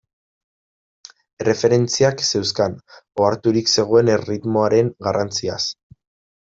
Erreferentziak zeuzkan, oharturik zegoen erritmoaren garrantziaz.